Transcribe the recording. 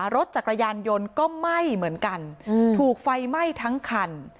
รถจักรยานยนต์ก็ไหม้เหมือนกันถูกไฟไหม้ทั้งคัน